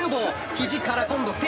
肘から今度手。